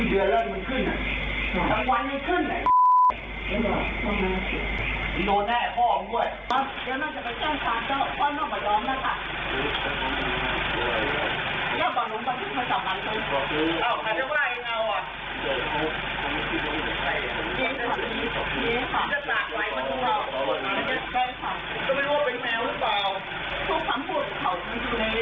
โปรดติดตามตอนต่อไป